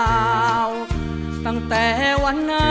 สมาธิพร้อมเพลงที่๑เพลงมาครับ